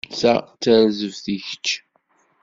Ta d tarzeft i kečč.